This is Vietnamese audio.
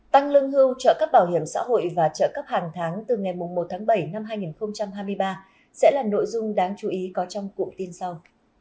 tăng lương hưu trợ cấp bảo hiểm xã hội và trợ cấp hàng tháng từ ngày một tháng bảy năm hai nghìn hai mươi ba sẽ là nội dung đáng chú ý có trong cụ tin sau